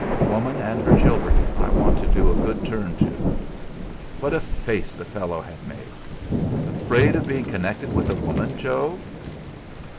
"Woman and her children I want to do a good turn to." What a face the fellow had made! "Afraid of being connected with a woman, Joe?"